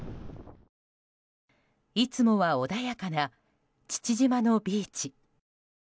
いつもは穏やかな父島のビーチ。